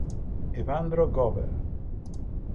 Evandro Goebel